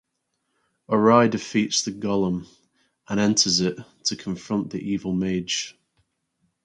Ary defeats the golem and enters it to confront the Evil Mage.